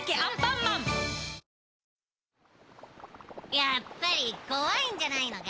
やっぱりこわいんじゃないのか？